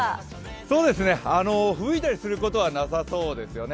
そうですね、ふぶいたりすることはなさそうですね。